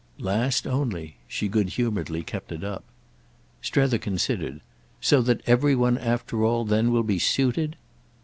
"Last only"—she good humouredly kept it up. Strether considered. "So that every one after all then will be suited?"